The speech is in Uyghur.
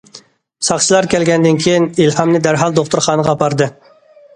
ساقچىلار كەلگەندىن كېيىن ئىلھامنى دەرھال دوختۇرخانىغا ئاپاردى.